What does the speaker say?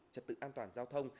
trật tự an toàn giao thông